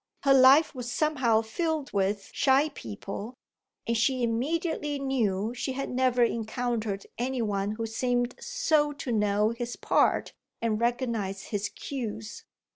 Her life was somehow filled with shy people, and she immediately knew she had never encountered any one who seemed so to know his part and recognise his cues.